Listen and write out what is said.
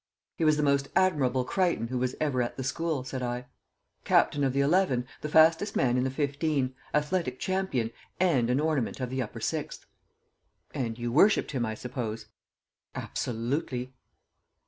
"He was the most Admirable Crichton who was ever at the school," said I: "captain of the eleven, the fastest man in the fifteen, athletic champion, and an ornament of the Upper Sixth." "And you worshipped him, I suppose?" "Absolutely."